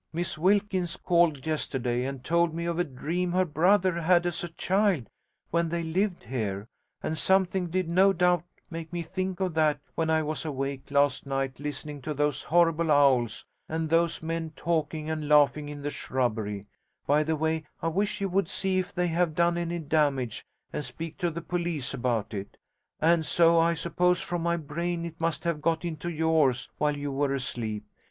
Miss Wilkins called yesterday and told me of a dream her brother had as a child when they lived here, and something did no doubt make me think of that when I was awake last night listening to those horrible owls and those men talking and laughing in the shrubbery (by the way, I wish you would see if they have done any damage, and speak to the police about it); and so, I suppose, from my brain it must have got into yours while you were asleep.